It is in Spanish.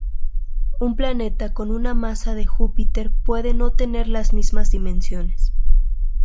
Un planeta con una masa de Júpiter puede no tener las mismas dimensiones.